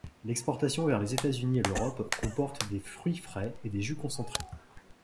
L'exportation vers les États-Unis et l'Europe comporte des fruits frais et des jus concentrés.